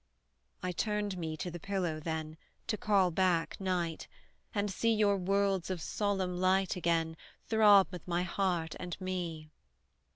I turned me to the pillow, then, To call back night, and see Your worlds of solemn light, again, Throb with my heart, and me!